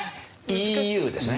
ＥＵですね。